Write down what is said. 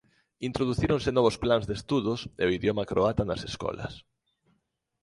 Introducíronse novos plans de estudos e o idioma croata nas escolas.